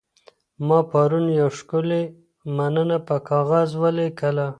ما پرون یوه ښکلې مننه په کاغذ ولیکله.